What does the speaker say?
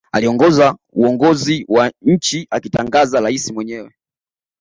Aliongoza uongozi wa nchi akitangaza rais mwenyewe